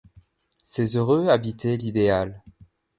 Ces heureux habitaient l’idéal.